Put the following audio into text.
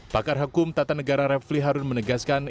pakar hukum tata negara refli harun menegaskan